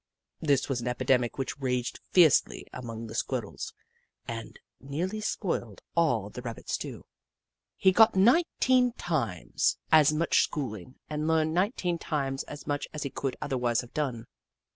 This was an epidemic which raged fiercely among the Squirrels and nearly spoiled all the Rabbit stew. He got nineteen times as much 178 The Book of Clever Beasts schoolintr and learned nineteen times as much as he could otherwise have done.